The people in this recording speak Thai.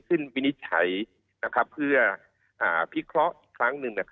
วินิจฉัยเพื่อพิเคราะห์อีกครั้งหนึ่ง